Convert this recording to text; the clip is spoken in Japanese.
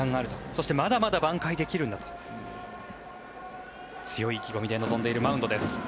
そしてまだまだばん回できるんだと強い意気込みで臨んでいるマウンドです。